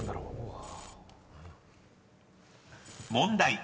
［問題］